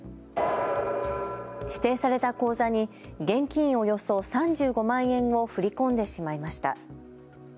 指定された口座に現金およそ３５万円を振り込んでしまいました。